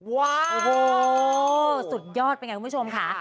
ว้าวสุดยอดเป็นอย่างไรคุณผู้ชมคะ